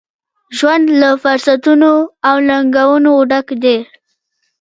ژوند له فرصتونو ، او ننګونو ډک دی.